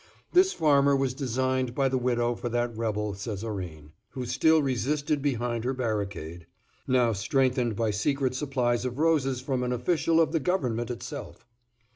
This farmer was designed by the widow for that rebel Césarine, who still resisted behind her barricade, now strengthened by secret supplies of roses from an official of the government itself.